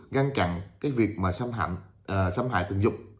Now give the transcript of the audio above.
ngăn chặn cái việc mà xâm hại tình dục